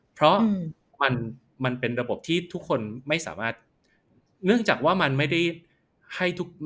เพราะมันเป็นระบบที่ทุกคนไม่สามารถเนื่องจากว่ามันไม่ได้ให้ทุก